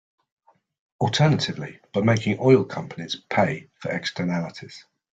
Alternatively, by making oil companies pay for externalities.